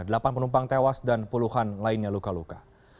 delapan penumpang tewas dan puluhan lainnya luka luka